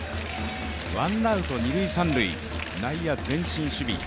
ワンアウト二・三塁、内野前進守備。